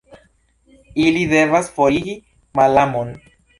Ili devas forigi malamon.